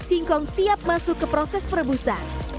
singkong siap masuk ke proses perebusan